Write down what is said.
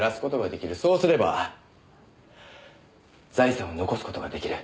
そうすれば財産を残す事が出来る。